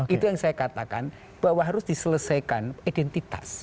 itu yang saya katakan bahwa harus diselesaikan identitas